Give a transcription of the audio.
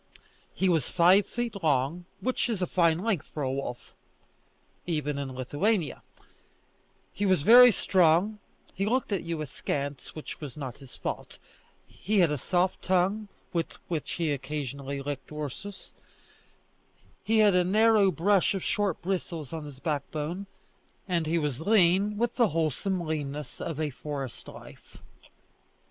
He was five feet long, which is a fine length for a wolf, even in Lithuania; he was very strong; he looked at you askance, which was not his fault; he had a soft tongue, with which he occasionally licked Ursus; he had a narrow brush of short bristles on his backbone, and he was lean with the wholesome leanness of a forest life.